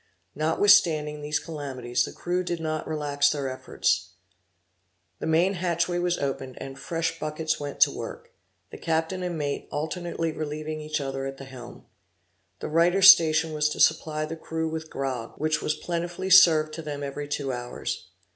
Notwithstanding these calamities, the crew did not relax their efforts. The main hatchway was opened and fresh buckets went to work; the captain and mate alternately relieving each other at the helm. The writer's station was to supply the crew with grog, which was plentifully served to them every two hours.